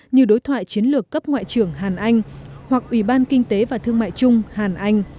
như đối thoại chiến lược cấp ngoại trưởng hàn anh hoặc ủy ban kinh tế và thương mại trung hàn anh